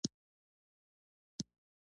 رسنۍ د اعلاناتو له لارې چلېږي